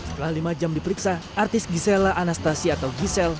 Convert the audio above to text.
setelah lima jam diperiksa artis gisela anastasi atau gisel